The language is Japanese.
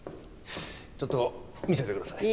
ちょっと見せてください。